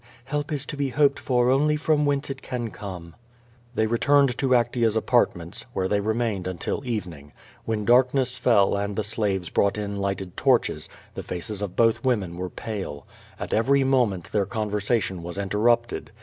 Help is to be hoped for only from whence it can come." They returned to Actea's apartments, where they remained until evening. When darkness fell and the slaves brought in lighted torches, the faces of both women were pale. At every moment their conversation was interrupted.